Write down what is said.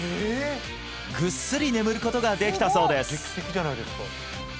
ぐっすり眠ることができたそうです